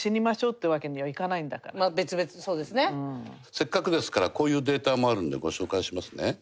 せっかくですからこういうデータもあるんでご紹介しますね。